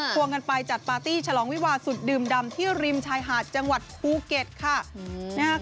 วงกันไปจัดปาร์ตี้ฉลองวิวาสุดดื่มดำที่ริมชายหาดจังหวัดภูเก็ตค่ะ